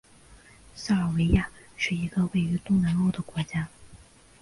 塞尔维亚是一个位于东南欧的国家。